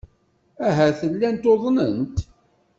Ahat llant uḍnent.